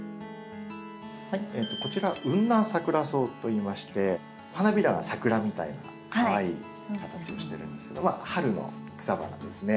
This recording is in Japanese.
こちらウンナンサクラソウといいまして花びらがサクラみたいなかわいい形をしてるんですけど春の草花ですね。